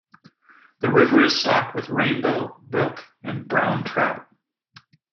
The river is stocked with Rainbow, Brook, and Brown trout.